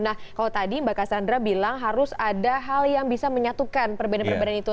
nah kalau tadi mbak cassandra bilang harus ada hal yang bisa menyatukan perbedaan perbedaan itu